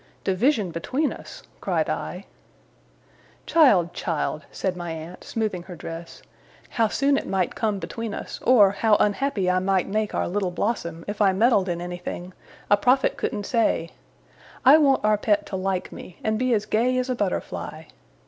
'Division between us!' cried I. 'Child, child!' said my aunt, smoothing her dress, 'how soon it might come between us, or how unhappy I might make our Little Blossom, if I meddled in anything, a prophet couldn't say. I want our pet to like me, and be as gay as a butterfly.